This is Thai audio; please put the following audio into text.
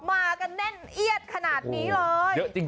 มากันแน่นเอียดขนาดนี้เลย